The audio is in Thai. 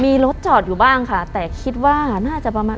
มีรถจอดอยู่บ้างค่ะแต่คิดว่าน่าจะประมาณ